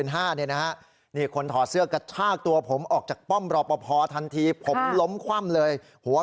หันถึงผมล้มคว่ำเลย